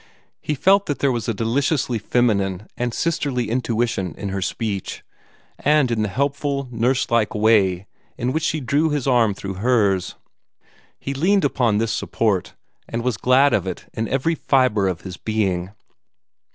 He felt that there was a deliciously feminine and sisterly intuition in her speech, and in the helpful, nurse like way in which she drew his arm through hers. He leaned upon this support, and was glad of it in every fibre of his being.